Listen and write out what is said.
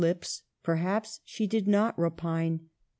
23 lips. Perhaps she did not repine.